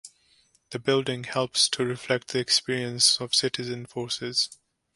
The building helps to reflect the experience of citizen forces.